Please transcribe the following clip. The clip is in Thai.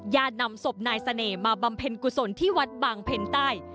นำศพนายเสน่ห์มาบำเพ็ญกุศลที่วัดบางเพ็ญใต้